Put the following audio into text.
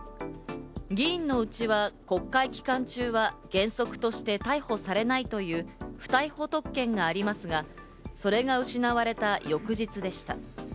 議員のうちは国会期間中は、原則として逮捕されないという不逮捕特権がありますが、それが失われた翌日でした。